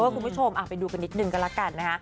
คุณผู้ชมไปดูกันนิดนึงก็แล้วกันนะคะ